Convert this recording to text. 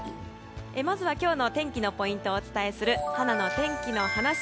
まずは今日の天気のポイントをお伝えするはなの天気のはなし。